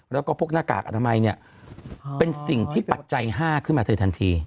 แล้วก็พวกหน้ากากอนามัยเนี่ยเป็นสิ่งที่ปัจจัย๕ขึ้นมาเธอทันที